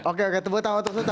oke oke tepuk tangan untuk sulit